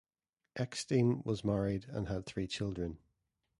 Eckstein was married and had three children.